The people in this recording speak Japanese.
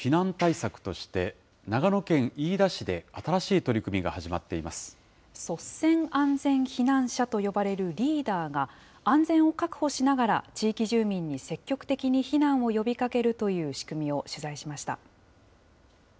率先安全避難者と呼ばれるリーダーが、安全を確保しながら地域住民に積極的に避難を呼びかけるという仕組みを取材しました。